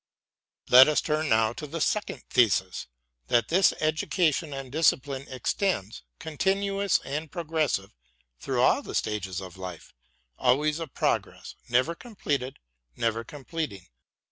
Let US turn now to the second thesis, that this education and discipline extends, continuous and progressive, through all the stages of life — ^always a process never completed or completing.